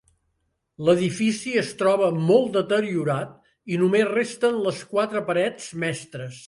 L'edifici es troba molt deteriorat i només resten les quatre parets mestres.